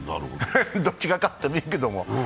どっちが勝ってもいいけれども。